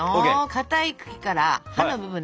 かたい茎から葉の部分だけ。